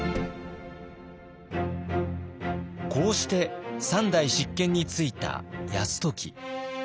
こうして３代執権に就いた泰時。